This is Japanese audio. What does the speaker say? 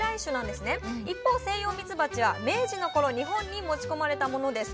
一方セイヨウミツバチは明治の頃日本に持ち込まれたものです。